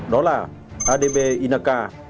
đó là adb inaka